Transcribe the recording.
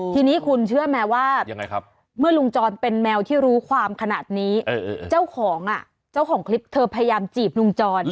ทีนี้คุณเชื่อไหมว่าเมื่อลุงจรเป็นแมวที่รู้ความขนาดนี้เจ้าของเจ้าของคลิปเธอพยายามจีบลุงจร